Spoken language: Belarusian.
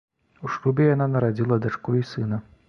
У шлюбе яна нарадзіла дачку і сына.